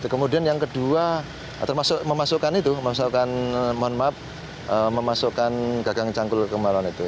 kemudian yang kedua termasuk memasukkan itu memasukkan mohon maaf memasukkan gagang cangkul kemarau itu